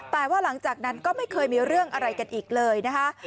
แต่ว่าหลังจากนั้นก็ไม่เคยมีเรื่องอะไรกันอีกเลยนะคะ